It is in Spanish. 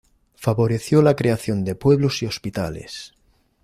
Favoreció la creación de pueblos y hospitales.